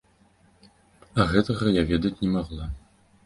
А гэтага я ведаць не магла.